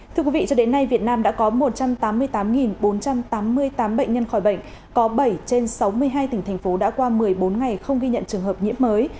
thưa quý vị cho đến nay việt nam đã có một trăm tám mươi tám bốn trăm tám mươi tám bệnh nhân khỏi bệnh có bảy trên sáu mươi hai tỉnh thành phố đã qua một mươi bốn ngày không ghi nhận trường hợp nhiễm mới